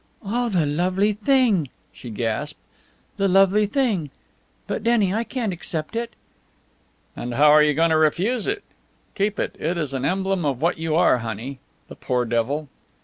"Oh, the lovely thing!" she gasped. "The lovely thing! But, Denny, I can't accept it!" "And how are you going to refuse it? Keep it. It is an emblem of what you are, honey. The poor devil!"